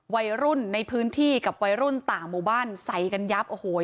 วัยรุ่นในพื้นที่กับวัยรุ่นต่างหมู่บ้านใส่กันยับโอ้โห